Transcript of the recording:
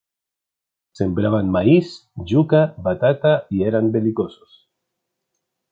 Sembraban maíz, yuca, batata y eran belicosos.